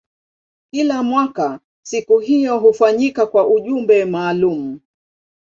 Kila mwaka siku hiyo hufanyika kwa ujumbe maalumu.